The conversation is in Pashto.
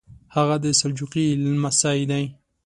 هغه د سلجوقي لمسی دی.